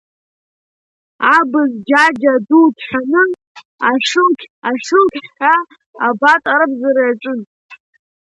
Абз џьаџьа ду ҭҳәаны, ашылқь-ашылқьҳәа абат арбзара иаҿын.